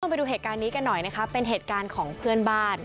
ไปดูเหตุการณ์นี้กันหน่อยนะคะเป็นเหตุการณ์ของเพื่อนบ้าน